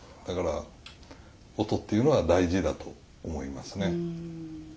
だから音っていうのは大事だと思いますね。